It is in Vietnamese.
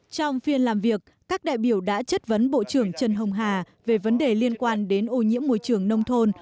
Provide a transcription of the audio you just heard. trong phiên làm việc các đại biểu đã chất vấn bộ trưởng trần hồng hà về vấn đề liên quan đến ô nhiễm môi trường nông thôn